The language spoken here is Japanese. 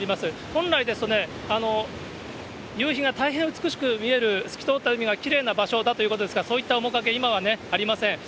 本来ですとね、夕日が大変美しく見える透き通った海がきれいな場所だということですが、そういった面影、今はありません。